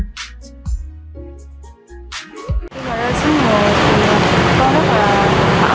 khi mà ra xuống hồ thì tôi rất là bản lạc và dành mẹ thích hơn